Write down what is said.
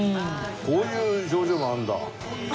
こういう表情があるんだ。